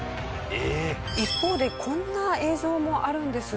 一方でこんな映像もあるんです。